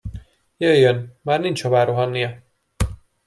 Jöjjön, már nincs hová rohannia.